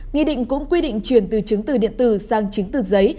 nghị định cũng quy định chuyển từ chứng từ điện tử sang chứng từ giấy